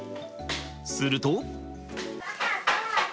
すると。